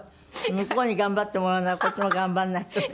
向こうに頑張ってもらうならこっちも頑張らないとね。